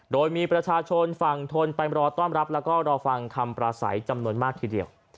โดยมีประชาชนฝั่งทนไปรอต้อนรับแล้วก็รอฟังคำปราศัยจำนวนมากทีเดียว